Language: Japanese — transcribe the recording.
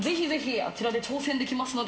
あちらで挑戦できますので。